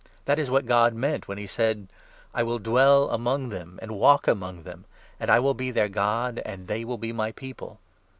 That is what God meant when he said —' I will dwell among them, and walk among them ; And I will be their God, and they shall be my people.